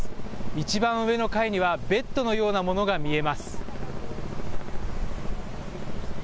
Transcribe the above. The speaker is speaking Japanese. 一番上の階には、ベッドのようなものが見えます。